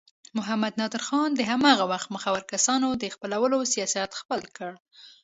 محمد نادر خان د هماغه وخت مخورو کسانو د خپلولو سیاست خپل کړ.